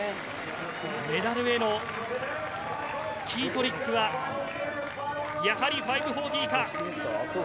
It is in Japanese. メダルへのキートリックはやはり５４０か。